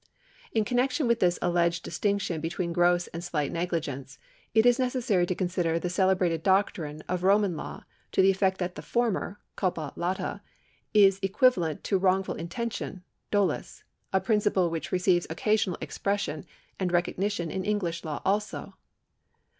In connection with this alleged distinction between gross and sligiit negligence it is necessary to consider the celebrated doctrine of Roman law to the effect that the former (culpa hfa) is equivalent to wrongful intention (dolus) — a principle which receives occasional expression and recognition in English law also.